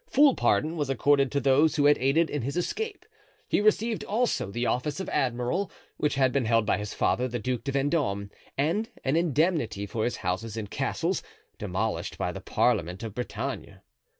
Full pardon was accorded to those who had aided in his escape. He received also the office of admiral, which had been held by his father, the Duc de Vendome and an indemnity for his houses and castles, demolished by the Parliament of Bretagne.